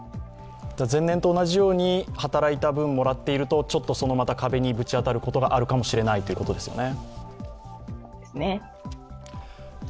前年と同じように働いてもらっているとちょっとまた壁にぶち当たることがあるかもしれないということですふね。